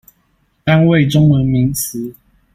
單位中文名詞